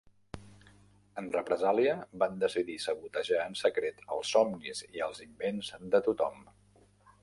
En represàlia, van decidir sabotejar en secret els somnis i els invents de tothom.